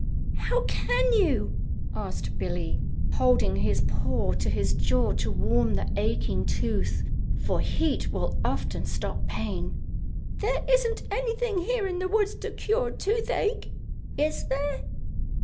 "How can you?" asked Billie, holding his paw to his jaw to warm the aching tooth, for heat will often stop pain. "There isn't anything here in the woods to cure toothache; is there?"